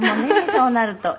そうなると」